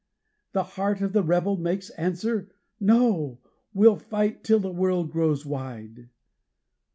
The heart of the rebel makes answer 'No! We'll fight till the world grows wide!'